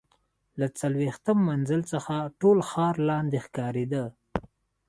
له څلوېښتم منزل څخه ټول ښار لاندې ښکارېده.